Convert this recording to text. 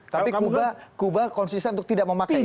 tapi kuba konsisten untuk tidak memakai